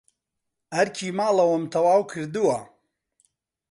ئەرکی ماڵەوەم تەواو کردووە.